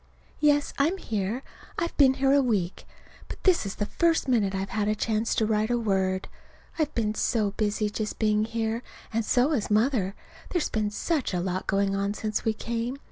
Yes, I'm here. I've been here a week. But this is the first minute I've had a chance to write a word. I've been so busy just being here. And so has Mother. There's been such a lot going on since we came.